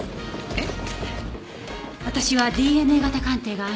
えっ？